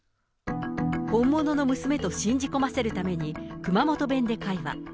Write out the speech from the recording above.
本物の娘と信じ込ませるために、熊本弁で会話。